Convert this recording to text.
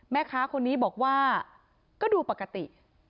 แม่ค้าคนนี้บอกว่าก็ดูปกติ